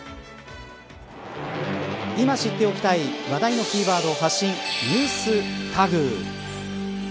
今知っておきたい話題のキーワードを発信ＮｅｗｓＴａｇ。